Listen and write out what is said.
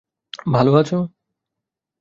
ভালো আছো?